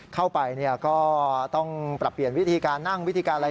เข้าไปก็ต้องปรับเปลี่ยนวิธีการนั่งวิธีการอะไร